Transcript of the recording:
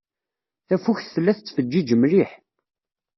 Tafukt tella tettfeǧǧiǧ mliḥ.